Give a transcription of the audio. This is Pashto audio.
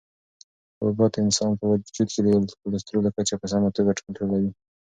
حبوبات د انسان په وجود کې د کلسترولو کچه په سمه توګه کنټرولوي.